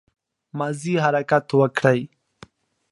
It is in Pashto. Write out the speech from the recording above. مازې حرکت وکړٸ